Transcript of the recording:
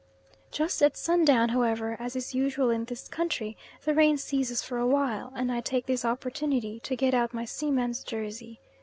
Just at sundown, however, as is usual in this country, the rain ceases for a while, and I take this opportunity to get out my seaman's jersey.